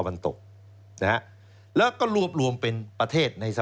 เอ๊ทำถูกกฎหมายแล้วมีการกวาดล้างที่สุดในประวัติศาสตร์ของเยอรมัน